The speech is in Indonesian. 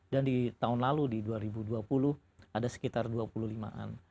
dan di tahun lalu di dua ribu dua puluh ada sekitar dua puluh lima an